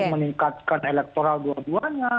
meningkatkan elektoral dua duanya